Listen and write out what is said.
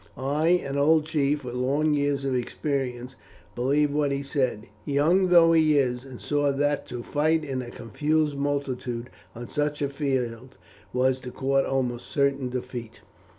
I, an old chief with long years of experience, believed what he said, young though he is, and saw that to fight in a confused multitude on such a field was to court almost certain defeat.